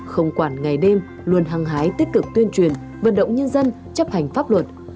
không quản ngày đêm luồn hàng hái tích cực tuyên truyền vận động nhân dân chấp hành pháp luật